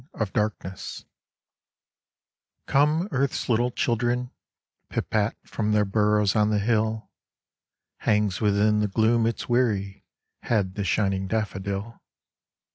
STft* Satotr jorf COME earth's little children pit pat from their burrows on the hill ; Hangs within the gloom its weary head the shining daffodil.